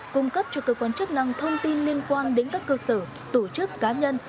cung cấp cho cơ quan chức năng thông tin liên quan đến các cơ sở tổ chức cá nhân